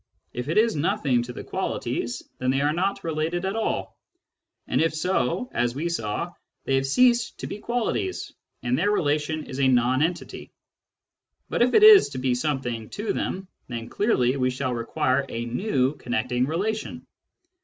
If it is nothing to the qualities, then they are not related at all ; and, if so, as we saw, they have ceased to be qualities, and their relation is a nonentity. But if it is to be something to them, then clearly we shall require a new connecting relation.